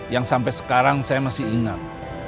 yang sampai sekarang saya masih ingat